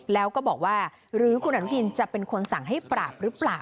แล้วก็บอกว่าหรือคุณอนุทินจะเป็นคนสั่งให้ปราบหรือเปล่า